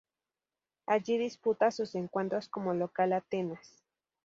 Allí disputa sus encuentros como local Atenas.